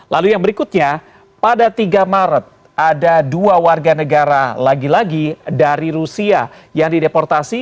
lalu yang berikutnya pada tiga maret ada dua warga negara lagi lagi dari rusia yang dideportasi